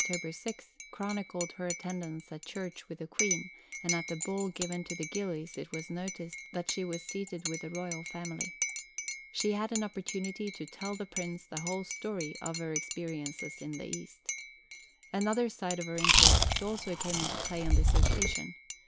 6) chronicled her attendance at church with the Queen, and at the ball given to the gillies it was noticed that she was seated with the Royal Family. She had an opportunity to "tell the Prince the whole story" of her experiences in the East. Another side of her interests also came into play on this occasion.